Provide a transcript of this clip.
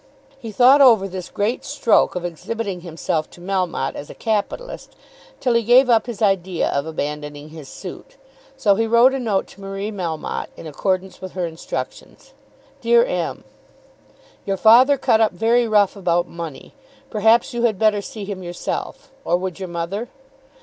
He thought over this great stroke of exhibiting himself to Melmotte as a capitalist till he gave up his idea of abandoning his suit. So he wrote a note to Marie Melmotte in accordance with her instructions. DEAR M., Your father cut up very rough, about money. Perhaps you had better see him yourself; or would your mother?